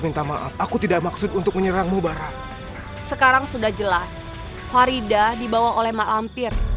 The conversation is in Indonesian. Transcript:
minta maaf aku tidak maksud untuk menyerang mubara sekarang sudah jelas farida dibawa oleh mampir